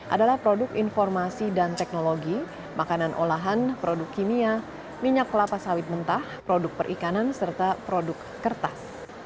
adalah produk informasi dan teknologi makanan olahan produk kimia minyak kelapa sawit mentah produk perikanan serta produk kertas